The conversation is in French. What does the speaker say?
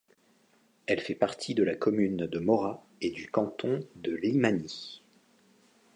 Elle fait partie de la commune de Mora et du canton de Limani.